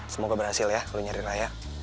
semoga berhasil ya lo nyariin raya